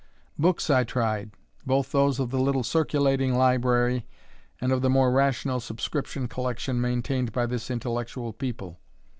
Books I tried, both those of the little circulating library, and of the more rational subscription collection maintained by this intellectual people.